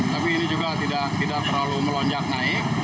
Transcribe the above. tapi ini juga tidak terlalu melonjak naik